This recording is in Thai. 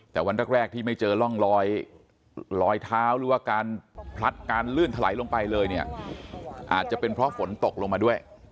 แต่วันแรกที่ไม่เจอร่องรอยรอยเท้าหรือว่าการพลัดการลื่นถลายลงไปเลยเนี่ยอาจจะเป็นเพราะฝนตกลงมาด้วย